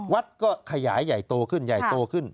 วัดก็ขยายใหญ่โตขึ้นใหญ่โตขึ้น